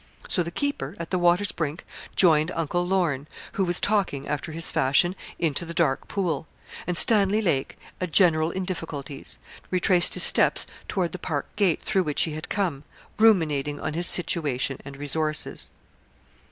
So the keeper, at the water's brink, joined Uncle Lorne, who was talking, after his fashion, into the dark pool. And Stanley Lake a general in difficulties retraced his steps toward the park gate through which he had come, ruminating on his situation and resources.